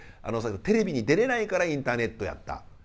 テレビに出れないからインターネットやった。